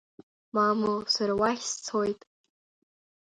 Мамоу, сара уахь сцоит.